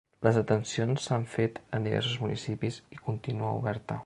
Les detencions s’han fet en diversos municipis i continua oberta.